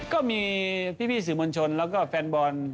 ก็มีพี่สื่อมวลชนแล้วก็แฟนบอล